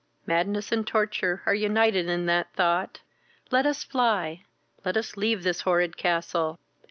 Madness and torture are united in that thought! Let us fly, let us leave this horrid castle!